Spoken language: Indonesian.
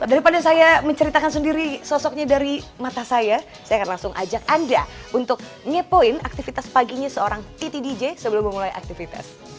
daripada saya menceritakan sendiri sosoknya dari mata saya saya akan langsung ajak anda untuk ngepoin aktivitas paginya seorang titi dj sebelum memulai aktivitas